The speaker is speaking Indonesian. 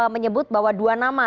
menyebut bahwa dua nama